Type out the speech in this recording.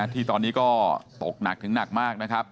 ที่ตอนนี้ก็ตกหนักถึงหนักมากนะครับ